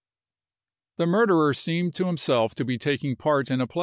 The murderer seemed to himself to be taking part in a play.